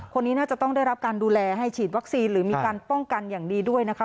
คนนี้น่าจะต้องได้รับการดูแลให้ฉีดวัคซีนหรือมีการป้องกันอย่างดีด้วยนะคะ